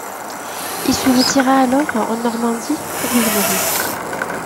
Il se retira alors en Normandie, où il mourut.